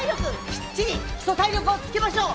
きっちり基礎体力をつけましょう。